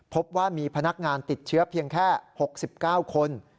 พบว่ามีพนักงานติดเชื้อเพียงแค่๖๙คน